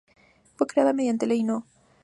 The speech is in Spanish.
Fue creada mediante ley No.